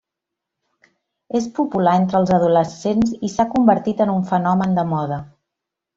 És popular entre els adolescents i s'ha convertit en un fenomen de moda.